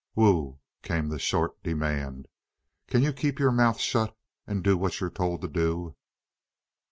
"Wu," came the short demand, "can you keep your mouth shut and do what you're told to do?"